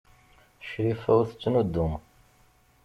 Crifa ur tettnuddum.